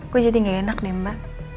gue jadi gak enak deh mba